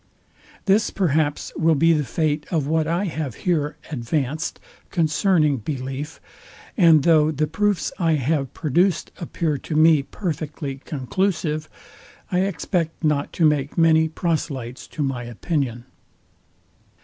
This perhaps will be the fate of what I have here advanced concerning belief, and though the proofs I have produced appear to me perfectly conclusive, I expect not to make many proselytes to my opinion.